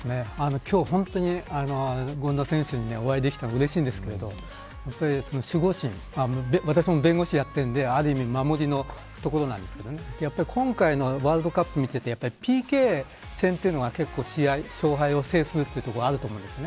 今日は本当に権田選手にお会いできてうれしいんですけど私も弁護士やっているのである意味守りのところなんですけど今回のワールドカップを見ていてＰＫ戦が勝敗を制するところがあると思うんですね。